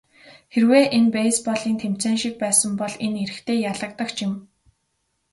Хэрвээ энэ бейсболын тэмцээн шиг байсан бол энэ эрэгтэй ялагдагч юм.